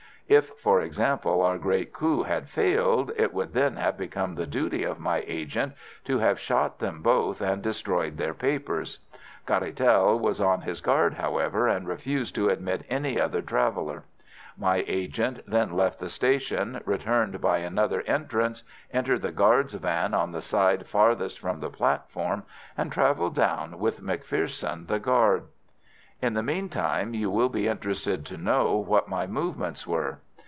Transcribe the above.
If, for example, our great coup had failed, it would then have become the duty of my agent to have shot them both and destroyed their papers. Caratal was on his guard, however, and refused to admit any other traveller. My agent then left the station, returned by another entrance, entered the guard's van on the side farthest from the platform, and travelled down with McPherson the guard. "In the meantime you will be interested to know what my movements were.